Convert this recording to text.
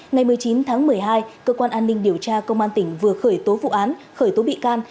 ngày một mươi chín tháng một mươi hai cơ quan an ninh điều tra công an tỉnh vừa khởi tố vụ án khởi tố bị can